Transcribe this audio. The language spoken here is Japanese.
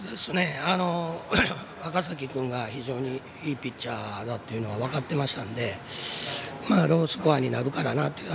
赤嵜君が非常にいいピッチャーだということは分かっていましたのでロースコアになるかなという